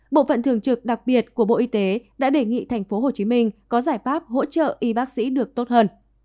bộ phận thường trực đặc biệt của bộ y tế đã đề nghị tp hcm có giải pháp hỗ trợ y bác sĩ được tốt hơn